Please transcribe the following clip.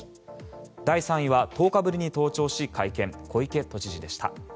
第３位は１０日ぶりに登庁し会見小池知事でした。